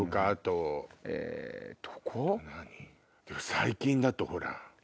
最近だとほら。